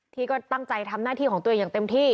ที่ก็ตั้งใจทำหน้าที่ของตัวเองอย่างเต็มที่